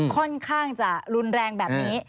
ค่อนข้างจะรุนแรงแบบนี้